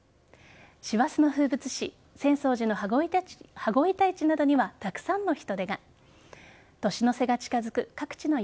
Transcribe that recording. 師走の風物詩浅草寺の羽子板市などにはたくさんの人出が。